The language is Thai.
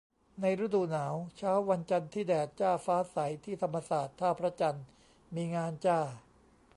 ในฤดูหนาว เช้าวันจันทร์ที่แดดจ้าฟ้าใส ที่ธรรมศาสตร์ ท่าพระจันทร์มีงานจ้า